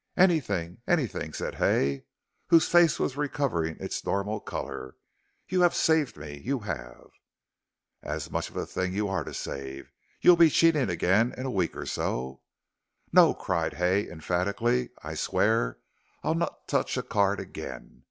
"Anything anything," said Hay, whose face was recovering its normal color. "You have saved me you have." "And much of a thing you are to save. You'll be cheating again in a week or so." "No," cried Hay, emphatically, "I swear I'll not touch a card again.